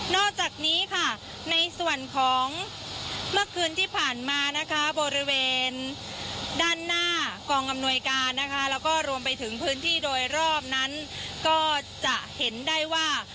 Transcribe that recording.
อกจากนี้ค่ะในส่วนของเมื่อคืนที่ผ่านมานะคะบริเวณด้านหน้ากองอำนวยการนะคะแล้วก็รวมไปถึงพื้นที่โดยรอบนั้นก็จะเห็นได้ว่า